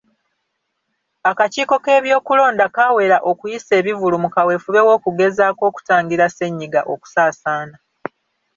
Akakiiko k’ebyokulonda kaawera okuyisa ebivvulu mu kaweefube w’okugezaako okutangira Ssennyiga okusaasaana.